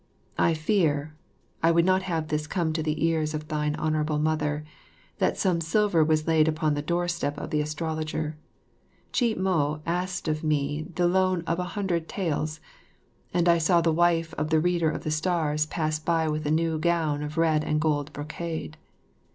I fear (I would not have this come to the ears of thine Honourable Mother) that some silver was left upon the doorstep of the astrologer. Chih mo asked of me the loan of an hundred taels, and I saw the wife of the reader of the stars pass by with a new gown of red and gold brocade.